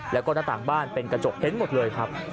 แล้วก็หน้าต่างบ้านเป็นกระจกเห็นหมดเลยครับ